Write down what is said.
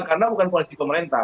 karena bukan polisi pemerintah